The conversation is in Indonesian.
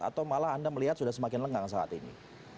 atau malah anda melihat sudah semakin lengang saat ini